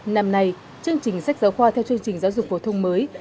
năm nay chương trình sách giáo khoa theo chương trình giáo dục phổ thông mới